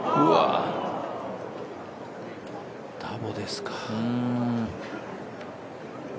ダボですか。